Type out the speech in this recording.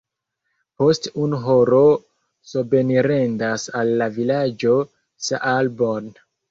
Post unu horo sobenirendas al la vilaĝo Saalborn.